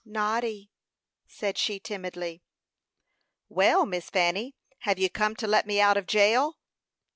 "Noddy," said she, timidly. "Well, Miss Fanny, have you come to let me out of jail?"